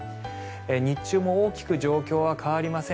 日中も大きく状況は変わりません。